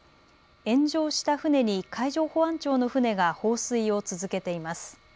炎上した船に海上保安庁の船が放水を続けています。